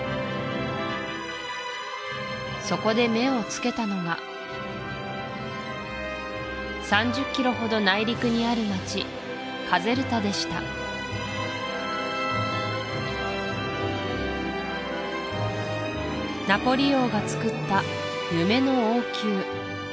そこで目を付けたのが３０キロほど内陸にある町カゼルタでしたナポリ王がつくった夢の王宮